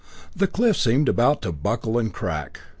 The cliff seemed to buckle and crack.